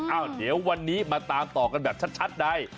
อ้าวเดี๋ยววันนี้มาตามต่อกันแบบชัดใน